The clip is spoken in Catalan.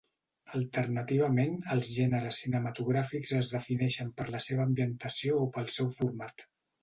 Alternativament, els gèneres cinematogràfics es defineixen per la seva ambientació o pel seu format.